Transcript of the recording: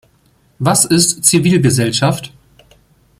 Was ist Zivilgesellschaft?